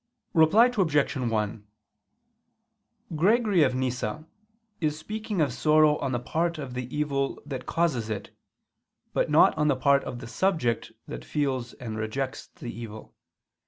Reply Obj. 1: Gregory of Nyssa [*Nemesius] is speaking of sorrow on the part of the evil that causes it, but not on the part of the subject that feels and rejects the evil.